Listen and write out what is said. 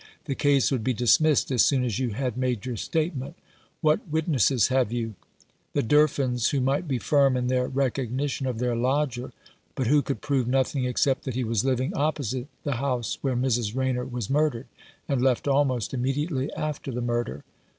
"The case would be dismissed as soon as you had made your statement. What witnesses have you ? The Durfins, who might be firm in their recognition of their lodger, but who could prove nothing except that he was living opposite the house where Mrs. Rayner was murdered, and left almost immediately after the murder.